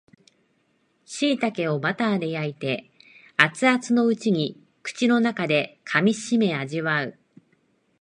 しいたけをバターで焼いて熱々のうちに口の中で噛みしめ味わう